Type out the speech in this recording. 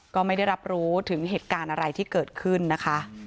ก็ไม่ได้รับรู้ถึงเหตุการณ์อะไรที่เกิดขึ้นนะคะ